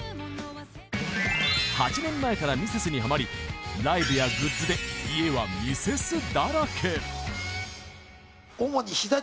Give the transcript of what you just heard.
８年前からミセスにハマりライブやグッズで家はミセスだらけ